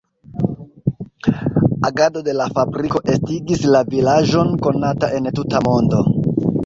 Agado de la fabriko estigis la vilaĝon konata en tuta mondo.